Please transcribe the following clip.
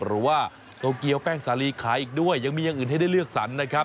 โตเกียวแป้งสาลีขายอีกด้วยยังมีอย่างอื่นให้ได้เลือกสรรนะครับ